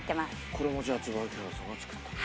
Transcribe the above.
これもじゃあ椿原さんが作ったの？